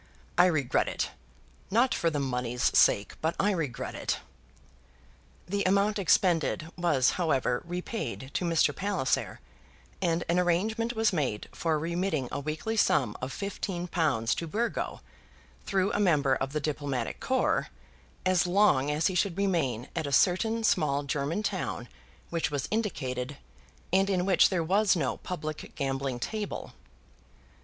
"I regret it; not for the money's sake, but I regret it." The amount expended, was however repaid to Mr. Palliser, and an arrangement was made for remitting a weekly sum of fifteen pounds to Burgo, through a member of the diplomatic corps, as long as he should remain at a certain small German town which was indicated, and in which there was no public gambling table.